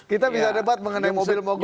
kita bisa debat mengenai mobil mobil